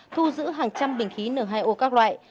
thu giữ hàng trăm bình khí n hai o các loại